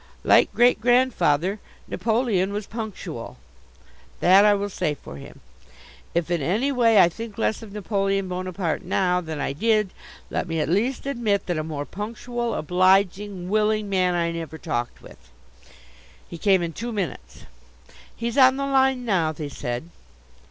Like Great grandfather, Napoleon was punctual. That I will say for him. If in any way I think less of Napoleon Bonaparte now than I did, let me at least admit that a more punctual, obliging, willing man I never talked with. He came in two minutes. "He's on the line now," they said.